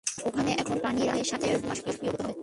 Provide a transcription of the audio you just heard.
ওখানে এখন পানি রাখলে সাথে সাথে বাষ্পীভূত হবে।